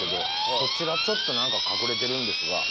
そちらちょっと何か隠れてるんですが。